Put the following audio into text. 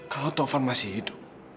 kalau taufan masih hidup